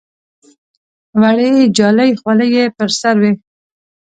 وړې جالۍ خولۍ یې پر سر وې.